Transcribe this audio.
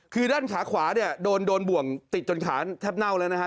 คือด้านขาขวาโดนบ่วงติดจนขาแทบเหน่าแล้วนะครับ